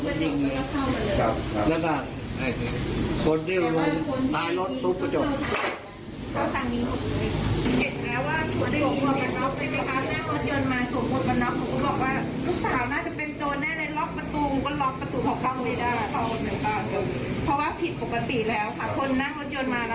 ส่วนหมดกันน๊อบแล้วเห็นคอร์สด้วยแต่หนูไม่เห็นปืน